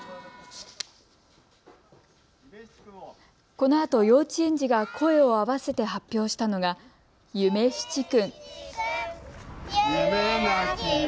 このあと幼稚園児が声を合わせて発表したのが夢七訓。